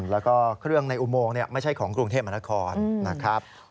แล้วก็เครื่องในอุโมงไม่ใช่ของกรุงเทพมหานครนะครับ